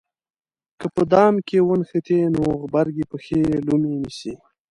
که په دام کې ونښتې نو غبرګې پښې یې لومې نیسي.